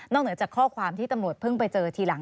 เหนือจากข้อความที่ตำรวจเพิ่งไปเจอทีหลัง